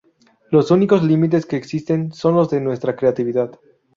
Los únicos límites que existen son los de nuestra creatividad.